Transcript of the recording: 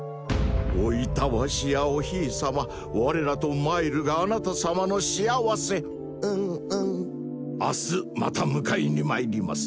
おいたわしやおひいさま我らとまいるがあなた様の幸せうんうん明日また迎えにまいります